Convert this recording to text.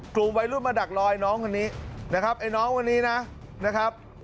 กลุ่มวัยรุ่นมาดักลอยน้องคนนี้นะครับไอ้น้องคนนี้นะครับ